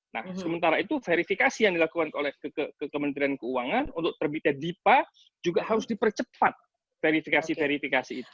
nah sementara itu verifikasi yang dilakukan oleh kementerian keuangan untuk terbitnya dipa juga harus dipercepat verifikasi verifikasi itu